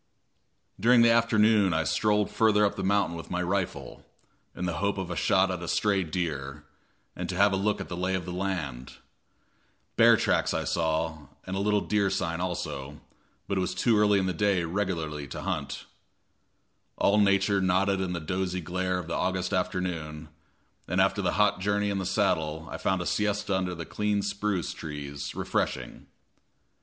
During the afternoon I strolled further up the mountain with my rifle, in the hope of a shot at a stray deer, and to have a look at the lay of the land. Bear tracks I saw and a little deer sign also, but it was too early in the day regularly to hunt. All nature nodded in the dozy glare of the August afternoon, and after the hot journey in the saddle I found a siesta under the clean spruce trees refreshing.